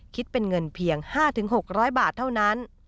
คิดเป็นเงินเพียง๕๖๐๐บาทเท่านั้น